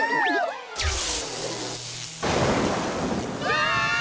うわ！